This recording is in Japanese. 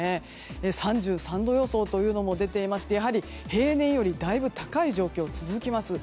３３度予想というのも出ていまして平年よりだいぶ高い状況が続きます。